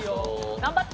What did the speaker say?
頑張って！